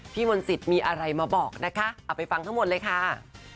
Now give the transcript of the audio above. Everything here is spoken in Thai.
มนตรีมีอะไรมาบอกนะคะเอาไปฟังทั้งหมดเลยค่ะ